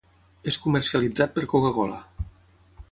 És comercialitzat per Coca-Cola.